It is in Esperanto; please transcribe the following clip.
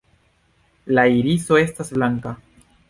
La iriso estas blanka.